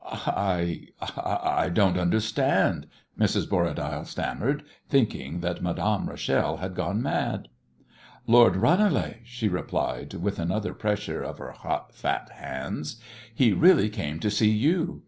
"I I don't understand," Mrs. Borradaile stammered, thinking that Madame Rachel had gone mad. "Lord Ranelagh!" she replied, with another pressure of her hot, fat hands. "He really came to see you.